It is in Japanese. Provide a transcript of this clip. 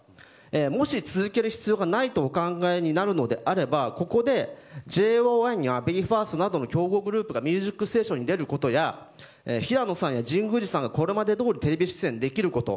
もし、続ける必要がないとお考えになるとしたらここで、ＪＯ１やＢＥ：ＦＩＲＳＴなどの競合グループが「ミュージックステーション」に出演できるようになることこれまで通りテレビ出演できること。